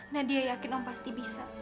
nadia yakin om pasti bisa